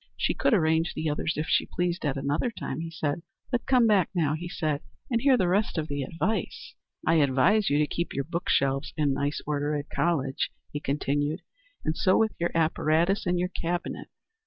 She could arrange the others, if she pleased, at another time, he said. "But come back now," he added, "and hear the rest of the advice." "I advise you to keep your book shelves in nice order at college," he continued; "and so with your apparatus and your cabinet.